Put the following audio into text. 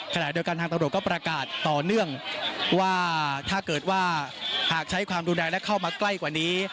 ขณะเดียวกันทางตำรวจก็ประกาศต่อเนื่องว่าถ้าเกิดว่าหากใช้ความรุนแรงและเข้ามาใกล้กว่านี้